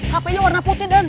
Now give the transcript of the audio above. hape nya warna putih den